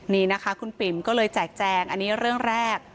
นี่นะคะคุณปิ๋มก็เลยแจกแจงอันนี้เรื่องแรก